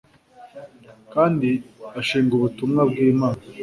kandi ashingwa ubutumwa bw'Imana.